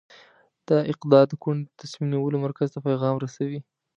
د اقدار د کونډې ته د تصمیم نیولو مرکز ته پیغام رسوي.